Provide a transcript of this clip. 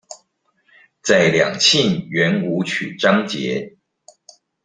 在兩性圓舞曲章節